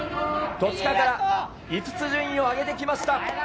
戸塚から５つ順位を上げました。